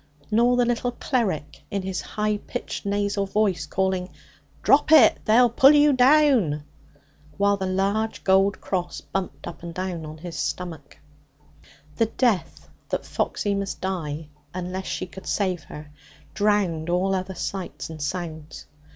Nor the little cleric, in his high pitched nasal voice, calling: 'Drop it! They'll pull you down!' while the large gold cross bumped up and down on his stomach. The death that Foxy must die, unless she could save her, drowned all other sights and sounds.